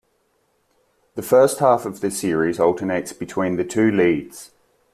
The first half of the series alternates between the two leads.